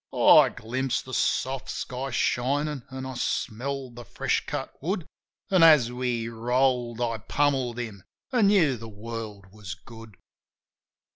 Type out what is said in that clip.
Oh, I glimpsed the soft sky shinin' an' I smelled the fresh cut wood; An' as we rolled I pummelled him, an' knew the world was good.